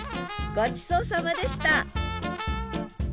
ごちそうさまでした！